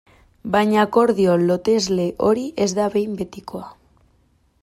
Baina akordio lotesle hori ez da behin betikoa.